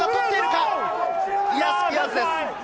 いや、スピアーズです。